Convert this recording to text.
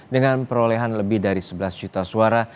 dengan perolehan lebih dari sebelas juta suara